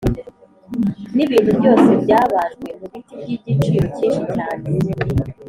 n’ibintu byose byabajwe mu biti by’igiciro cyinshi cyane,